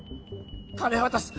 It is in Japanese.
金は渡す！